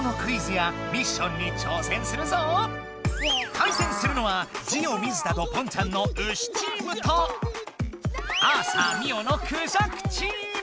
対戦するのはジオ水田とポンちゃんのウシチームとアーサー・ミオのクジャクチーム。